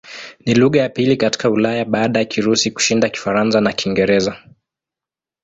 Ni lugha ya pili katika Ulaya baada ya Kirusi kushinda Kifaransa na Kiingereza.